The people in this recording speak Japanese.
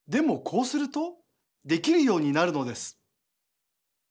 こうするとできるようになるのです。